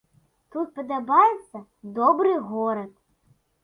Тут падабаецца, добры горад.